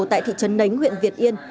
tại thị trân nánh huyện việt yên